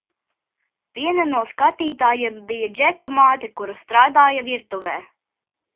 Viena no skatītājiem bija Džeka māte, kura strādāja virtuvē.